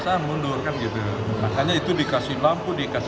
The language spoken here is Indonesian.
ini digiras atau diapa dan